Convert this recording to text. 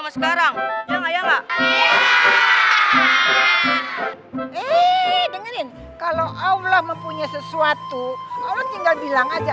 sekarang ya nggak iya iya hehehe hey dengerin kalo allah mempunyai sesuatu old tinggal bilang